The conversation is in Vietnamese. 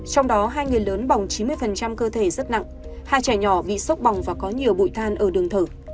trong đó hai người lớn bỏng chín mươi cơ thể rất nặng hai trẻ nhỏ bị sốc bỏng và có nhiều bụi than ở đường thở